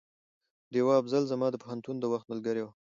ډيوه افصل زما د پوهنتون د وخت ملګرې وه